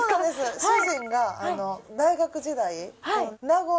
主人が大学時代。